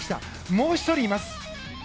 もう１人います。